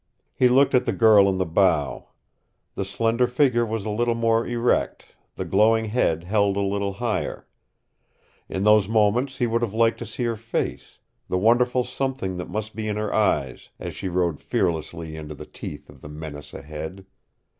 He looked at the girl in the bow. The slender figure Was a little more erect, the glowing head held a little higher. In those moments he would have liked to see her face, the wonderful something that must be in her eyes as she rode fearlessly into the teeth of the menace ahead.